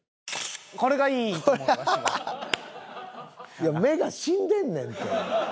いや目が死んでんねんて。